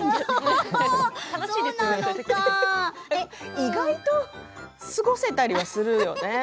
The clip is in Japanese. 意外と過ごせたりするよね。